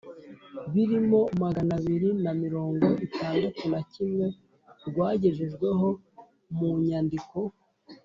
birimo magana abiri na mirongo itandatu na kimwe rwagejejweho mu nyandiko